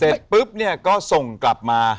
เสร็จปุ๊บเนี่ยก็ส่งกลับมา